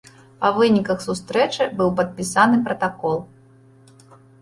Па выніках сустрэчы быў падпісаны пратакол.